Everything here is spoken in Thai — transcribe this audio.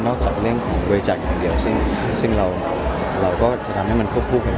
นอกจากเรื่องของบริจักษ์อย่างเดียวซึ่งซึ่งเราเราก็จะทำให้มันควบคู่กันไป